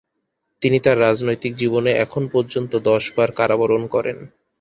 তিনি তার রাজনৈতিক জীবনে এখন পর্যন্ত দশবার কারাবরণ করেন।